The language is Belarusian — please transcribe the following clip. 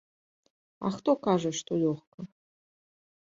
А хто кажа, што лёгка?